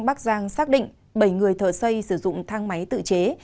bắc giang xác định bảy người thợ xây sử dụng thang máy tự chế